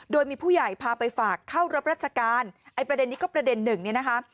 โดยมีผู้ใหญ่พาไปฝากเข้ารับราชการไอ้ประเด็นนี้ก็ประเด็นหนึ่งเนี่ยนะคะ